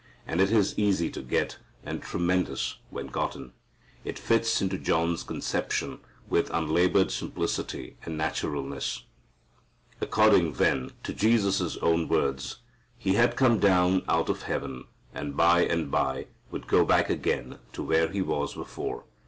And it is easy to get, and tremendous when gotten. It fits into John's conception with unlabored simplicity and naturalness. According, then, to Jesus' own words, He had come down out of heaven, and, by and by, would go back again to where He was before.